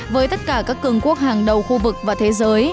với tất cả các cường quốc hàng đồng